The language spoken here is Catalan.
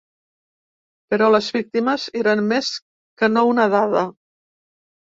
Però les víctimes eren més que no una dada.